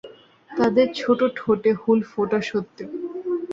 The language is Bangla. তাদের ছোট ঠোঁটে হুল ফোটা সত্বেও।